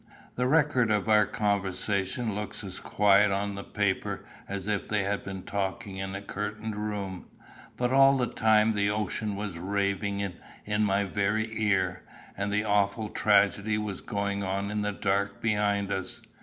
The record of our conversation looks as quiet on the paper as if we had been talking in a curtained room; but all the time the ocean was raving in my very ear, and the awful tragedy was going on in the dark behind us.